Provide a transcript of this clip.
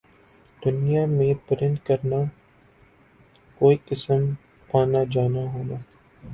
دنیا میں پرند کرنا کوئی قسم پانا جانا ہونا